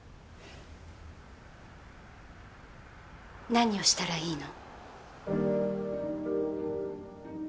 何をしたらいいの？